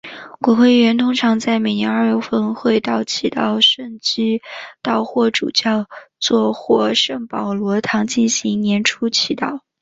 国会议员通常在每年二月份会期到圣基道霍主教座堂或圣保罗堂进行年初祈祷。